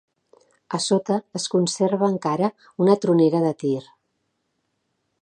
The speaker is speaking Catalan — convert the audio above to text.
A sota es conserva encara una tronera de tir.